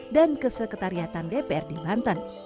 dan keseketariatan dprd banten